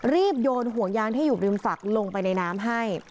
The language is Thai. โยนห่วงยางที่อยู่ริมฝักลงไปในน้ำให้